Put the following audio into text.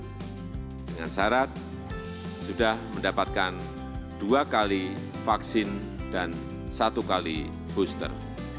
dengan syarat sudah mendapatkan dua kali vaksin dan satu kali booster